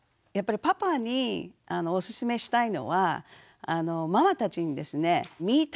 やっぱりパパにおすすめしたいのはママたちにですね